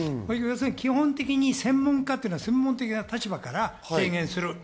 全くその通りで、基本的に専門家というのは専門的な立場から提言する。